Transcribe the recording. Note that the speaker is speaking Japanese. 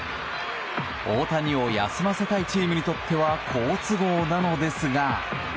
大谷を休ませたいチームにとっては好都合なのですが。